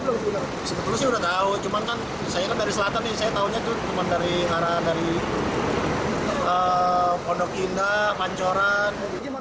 sebetulnya sudah tahu cuman kan saya kan dari selatan nih saya tahunya tuh cuma dari arahan dari pondok indah mancoran